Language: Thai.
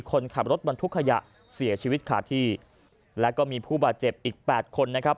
คนขับรถบรรทุกขยะเสียชีวิตขาดที่แล้วก็มีผู้บาดเจ็บอีกแปดคนนะครับ